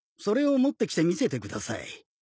それを持ってきて見せてください。